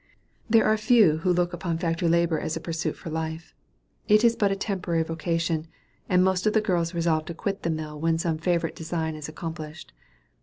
There are few who look upon factory labor as a pursuit for life. It is but a temporary vocation; and most of the girls resolve to quit the mill when some favorite design is accomplished.